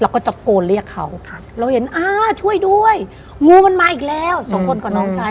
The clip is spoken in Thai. ก็จะตะโกนเรียกเขาเราเห็นอ่าช่วยด้วยงูมันมาอีกแล้วสองคนกับน้องชาย